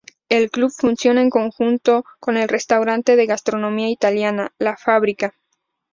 El club funciona en conjunto con el restaurante de gastronomía italiana "La Fabbrica".